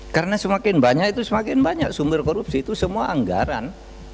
karena semakin banyak itu semakin banyak sumber korupsi itu semua anggaran